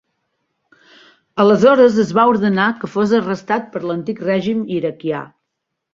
Aleshores es va ordenar que fos arrestat per l'antic règim iraquià.